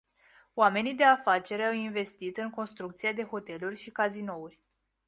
Oamenii de afaceri au investit în construcția de hoteluri și cazinouri.